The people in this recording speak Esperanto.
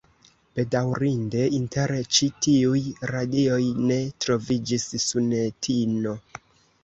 Bedaŭrinde inter ĉi tiuj radioj ne troviĝis Sunetino.